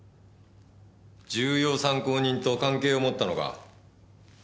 重要参考人と関係をもったのか。